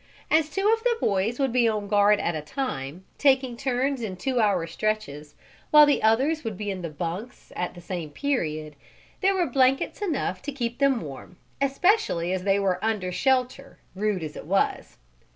As two of the boys would be on guard at a time, taking turns in two hour stretches, while the others would be in the bunks at the same period, there were blankets enough to keep them warm, especially as they were under shelter, rude as it was.